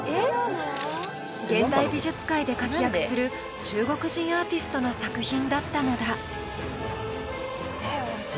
現代美術界で活躍する中国人アーティストの作品だったのだ。